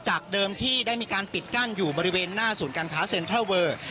จากเดิมที่ได้มีการปิดกั้นอยู่บริเวณหน้าศูนย์การค้าเซ็นทรัลเวอร์